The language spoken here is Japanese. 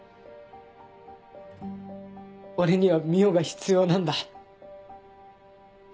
俺には澪が必要なんだ。